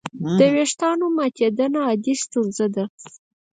د وېښتیانو ماتېدنه عادي ستونزه ده.